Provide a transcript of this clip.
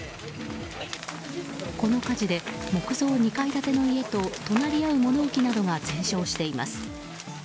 この火事で木造２階建ての家と隣り合う物置などが全焼しています。